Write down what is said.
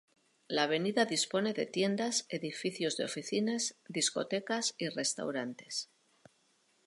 La avenida dispone de tiendas, edificios de oficinas, discotecas y restaurantes.